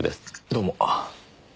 どうも。